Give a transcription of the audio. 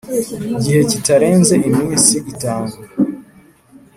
Gihe kitarenze iminsi itanu